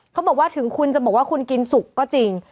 เขาบอกว่าถึงคุณจะบอกว่าคุณกินสุกก็จริง